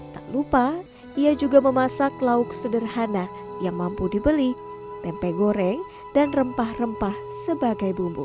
tak lupa ia juga memasak lauk sederhana yang mampu dibeli tempe goreng dan rempah rempah sebagai bumbu